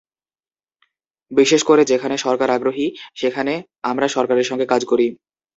বিশেষ করে যেখানে সরকার আগ্রহী, সেখানে আমরা সরকারের সঙ্গে কাজ করি।